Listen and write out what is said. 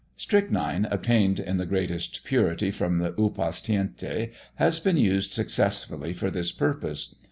Strychnine (obtained in the greatest purity from the Upas Tiente) has been used successfully for this purpose.